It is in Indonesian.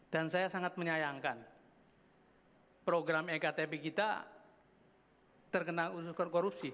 dan saya sangat menyayangkan program e ktp kita terkena usus korupsi